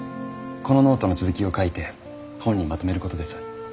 このノートの続きを書いて本にまとめることです。